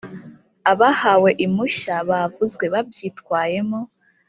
abahawe impushya bavuzwe babyitwayemo